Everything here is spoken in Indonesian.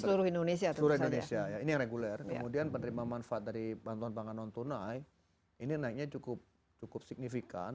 seluruh indonesia seluruh indonesia ya ini yang reguler kemudian penerima manfaat dari bantuan pangan non tunai ini naiknya cukup signifikan